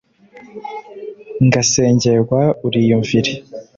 ngasengerwa, uriyumvire